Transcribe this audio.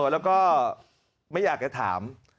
แล้วก็ไม่อยากจะถาม